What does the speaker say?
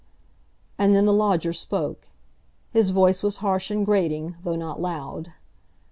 And then the lodger spoke. His voice was harsh and grating, though not loud.